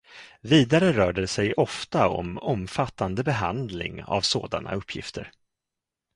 Vidare rör det sig ofta om omfattande behandling av sådana uppgifter.